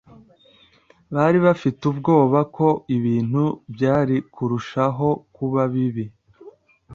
Bari bafite ubwoba ko ibintu byari kurushaho kuba bibi.